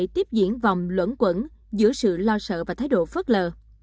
tiếp diễn vòng luẩn quẩn giữa sự lo sợ và thái độ phớt lờ